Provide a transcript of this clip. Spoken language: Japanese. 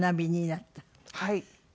はい。